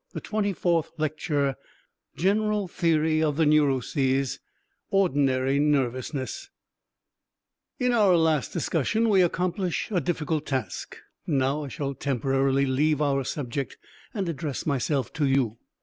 TWENTY FOURTH LECTURE GENERAL THEORY OF THE NEUROSES Ordinary Nervousness In our last discussion we accomplish a difficult task. Now I shall temporarily leave our subject and address myself to you.